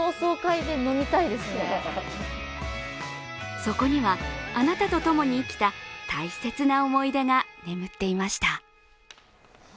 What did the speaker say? そこには、あなたと共に生きた大切な思い出が眠っていました。